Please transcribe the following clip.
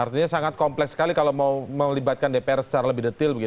artinya sangat kompleks sekali kalau mau melibatkan dpr secara lebih detail